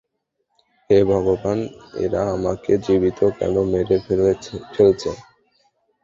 হে ভগবান এরা আমাকে জীবিত কেন মেরে ফেলছে?